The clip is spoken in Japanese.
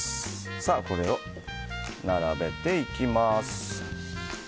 これを並べていきます。